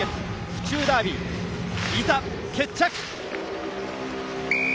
府中ダービー、いざ決着！